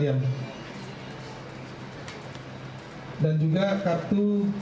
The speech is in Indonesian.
sedangkan itu berbeda dengan kartu atm yang seperti ini